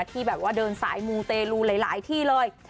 ที่แบบว่าเดินสายมูเตรลูหลายที่เลย